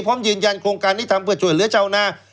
พร้อมยืนยันโครงการนี้ทำเพื่อช่วยเหลือชาวนา